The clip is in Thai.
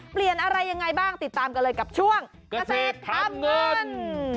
เปลี่ยนอะไรยังไงบ้างติดตามกันเลยกับช่วงเกษตรทำเงิน